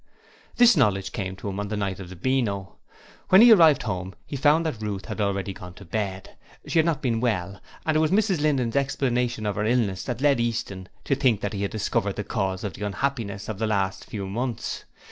This knowledge came to him on the night of the Beano. When he arrived home he found that Ruth had already gone to bed: she had not been well, and it was Mrs Linden's explanation of her illness that led Easton to think that he had discovered the cause of the unhappiness of the last few months.